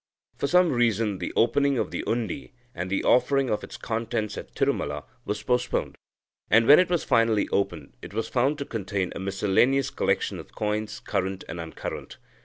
For some reason, the opening of the undi, and offering of its contents at Tirumala, was postponed, and, when it was finally opened, it was found to contain a miscellaneous collection of coins, current and uncurrent.